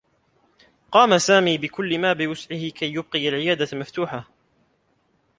قام سامي بكلّ ما بوسعه كي يُبقي العيادة مفتوحة.